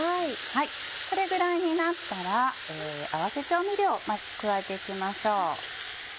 これぐらいになったら合わせ調味料まず加えていきましょう。